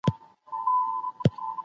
ولي ډېر کار کول رواني روغتیا ګواښي؟